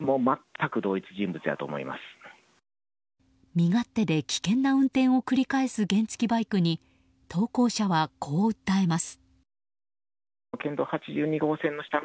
身勝手で危険な運転を繰り返す原付きバイクに投稿者は、こう訴えます。